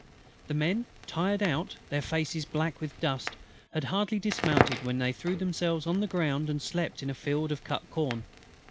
The men, tired out, their faces black with dust, had hardly dismounted when they threw themselves on the ground and slept in a field of cut corn.